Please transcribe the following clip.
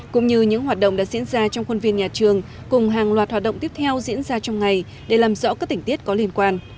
cũng như những hoạt động đã diễn ra trong khuôn viên nhà trường cùng hàng loạt hoạt động tiếp theo diễn ra trong ngày để làm rõ các tình tiết có liên quan